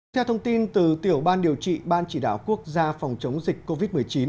theo thông tin từ tiểu ban điều trị ban chỉ đạo quốc gia phòng chống dịch covid một mươi chín